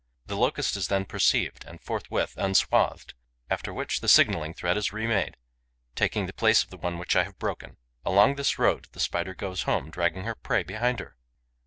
The Locust is then perceived and forthwith enswathed, after which the signalling thread is remade, taking the place of the one which I have broken. Along this road the Spider goes home, dragging her prey behind her.